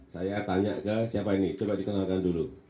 saya tanya ke siapa ini coba dikenalkan dulu